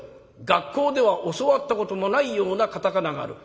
学校では教わったこともないような片仮名がある。